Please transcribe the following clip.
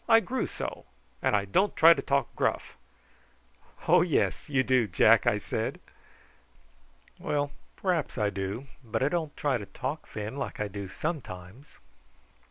I grew so. And I don't try to talk gruff." "Oh yes! you do, Jack," I said. "Well, p'r'aps I do; but I don't try to talk thin, like I do sometimes."